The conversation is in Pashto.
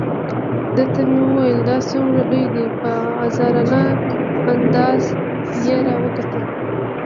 ده ته مې وویل: دا څومره لوی دی؟ په عذرانه انداز یې را وکتل.